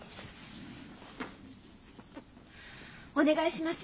お願いします。